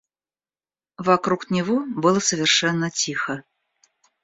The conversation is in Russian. Вокруг него было совершенно тихо.